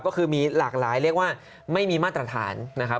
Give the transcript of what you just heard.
ก็คือมีหลากหลายเรียกว่าไม่มีมาตรฐานนะครับ